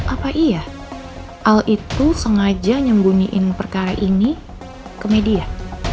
apa iya al itu sengaja nyembunyiin perkara ini ke media